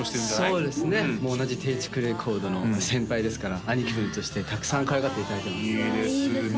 そうですねもう同じテイチクレコードの先輩ですから兄貴分としてたくさんかわいがっていただいてますいいですね